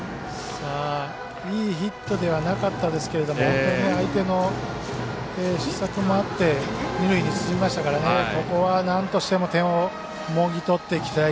いいヒットではなかったですけれども相手の失策もあって二塁に進みましたからここは、なんとしても点をもぎ取っていきたい